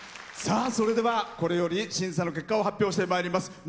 さあそれではこれより審査の結果を発表してまいります。